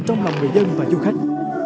trong lòng người dân và du khách